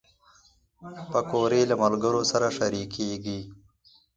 پکورې له ملګرو سره شریکېږي